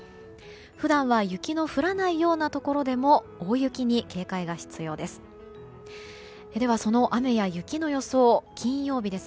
普段は雪の降らないようなところでも大雪に警戒が必要です。